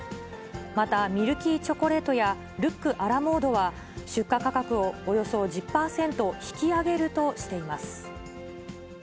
また、ミルキーチョコレートやルックア・ラ・モードは出荷価格をおよそ１０％引き上げるとしています。